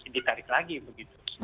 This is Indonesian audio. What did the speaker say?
ditarik lagi begitu